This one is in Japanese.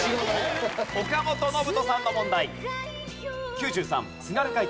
岡本信人さんの問題。